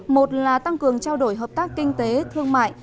một là tăng cường trao đổi hợp tác kinh tế thương mại